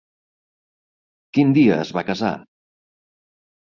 Quin dia es va casar?